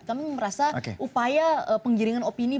kami merasa upaya penggiringan opsi itu